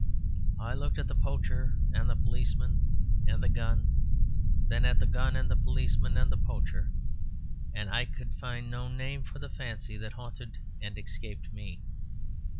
I looked at the poacher and the policeman and the gun; then at the gun and the policeman and the poacher; and I could find no name for the fancy that haunted and escaped me.